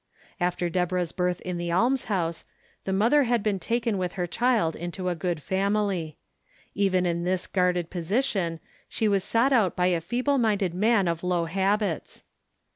After Deborah's birth in the almshouse, the mother had been taken with her child into a good family. Even in this guarded position, she was sought out by a feeble minded man of low habits.